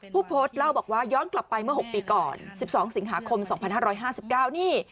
ผู้โพสต์เล่าบอกว่าย้อนกลับไปเมื่อ๖ปีก่อน๑๒สิงหาคม๒๕๕๙นี่